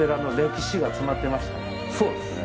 そうですね。